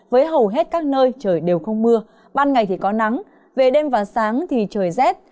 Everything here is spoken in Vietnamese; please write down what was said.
với hầu hết các nơi trời đều không mưa ban ngày thì có nắng về đêm và sáng thì trời rét